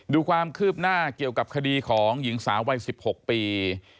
ดูความคืบหน้าเกี่ยวกับคดีของหญิงสาววัย๑๖ปี